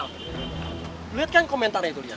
lo lihat kan komentarnya itu lihat